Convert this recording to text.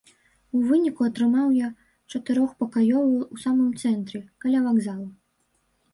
У выніку атрымаў я чатырохпакаёвую ў самым цэнтры, каля вакзалу.